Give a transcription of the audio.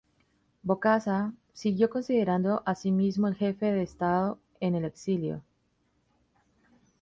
Bokassa siguió considerando a sí mismo el jefe de Estado en el exilio.